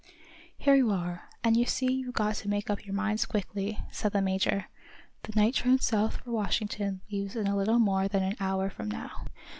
"_ "Here you are, and you see you've got to make up your minds quickly," said the major. "The night train south for Washington leaves in a little more than an hour from now."